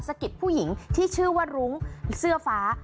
กิดผู้หญิงที่ชื่อว่ารุ้งเสื้อฟ้า